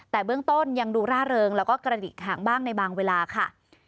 แต่เบื้องต้นยังดูร่าเริงแล้วก็กระดิกหางบ้างในบางเวลาค่ะ